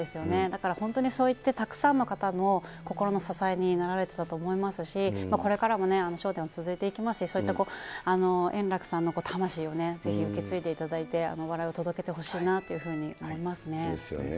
だから本当にそういってたくさんの方の心の支えになられてたと思いますし、これからもね、笑点は続いていきますし、そういった円楽さんの魂をぜひ受け継いでいただいて、笑いを届けてほしいなというふうに思いますね。